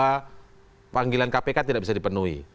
bahwa panggilan kpk tidak bisa dipenuhi